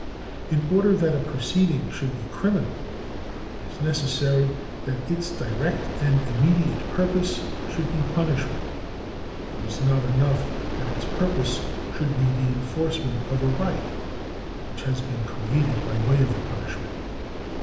In order that a proceeding should be criminal it is necessary that its direct and immediate purpose should be punishment ; it is not enough that its purpose should be the enforcement of a right which has been created by way of punishment.